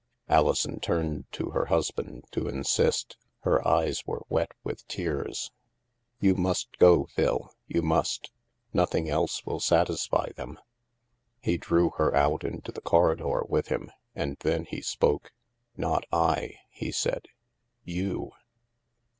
Alison turned to her husband to insist. Her eyes were wet with tears. "You must go, Phil; you must. Nothing else will satisfy them." He drew her out into the corridor with him, and then he spoke. Not I," he said, " you."